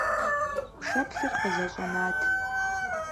Пшэплъыр къызэщӀэнат.